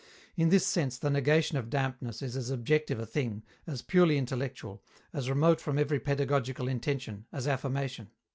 In this sense the negation of dampness is as objective a thing, as purely intellectual, as remote from every pedagogical intention, as affirmation.